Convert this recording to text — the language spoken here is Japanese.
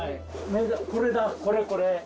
これこれ。